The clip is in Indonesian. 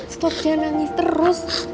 stop jangan nangis terus